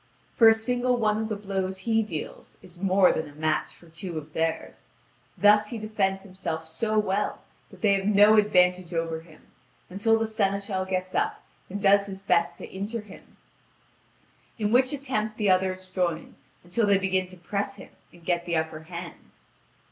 For a single one of the blows he deals is more than a match for two of theirs; thus he defends himself so well that they have no advantage over him, until the seneschal gets up and does his best to injure him, in which attempt the others join, until they begin to press him and get the upper hand.